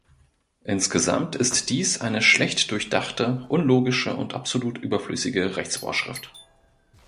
Insgesamt ist dies eine schlecht durchdachte, unlogische und absolut überflüssige Rechtsvorschrift.